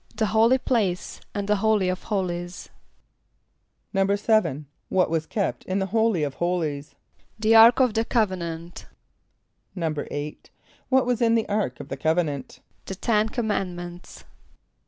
=The holy place, and the holy of holies.= =7.= What was kept in the holy of holies? =The ark of the covenant.= =8.= What was in the ark of the covenant? =The ten commandments.